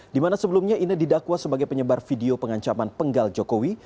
dimana sebelumnya ina didakwa sebagai penyebar video pengancaman penggal jokowi